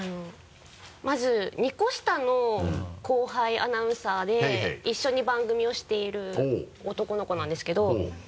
まず２個下の後輩アナウンサーで一緒に番組をしている男の子なんですけど。